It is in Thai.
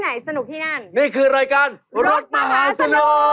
ก็ยืนอยู่ที่หน้าโรงยิมเนเซียมจังหวัดราชบุรีค่ะ